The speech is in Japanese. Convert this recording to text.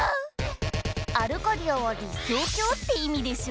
アルカディアは理想郷って意味でしょ？